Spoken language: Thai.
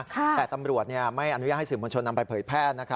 แต่ตำรวจไม่อนุญาตให้สื่อมวลชนนำไปเผยแพร่